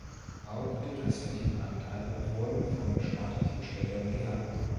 Auch die restlichen Anteile wurden von staatlichen Stellen gehalten.